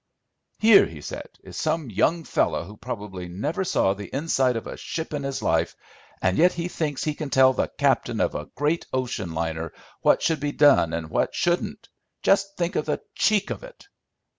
"Here," he said, "is some young fellow, who probably never saw the inside of a ship in his life, and yet he thinks he can tell the captain of a great ocean liner what should be done and what shouldn't. Just think of the cheek of it."